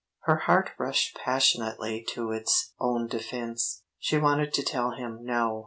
Her heart rushed passionately to its own defence; she wanted to tell him no!